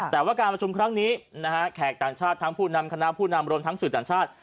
แต่ว่าการประชุมครั้งนี้นะฮะแขกต่างชาติทั้งผู้นำคณะผู้นำรวมทั้งสื่อต่างชาติ